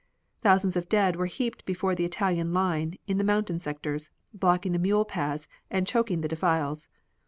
Thousands of dead were heaped before the Italian line in the mountain sectors, blocking the mule paths and choking the defiles.